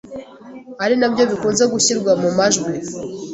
ari nabyo bikunze gushyirwa mu majwi.